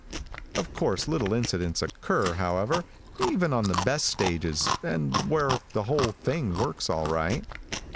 Of course little incidents occur, however, even on the best stages, and where the whole thing works all right.